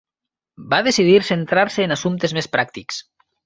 Va decidir centrar-se en assumptes més pràctics.